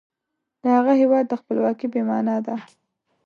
د هغه هیواد خپلواکي بې معنا ده.